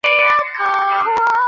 车门打开了